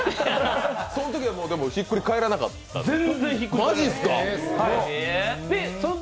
そのときはひっくり返らなかったの？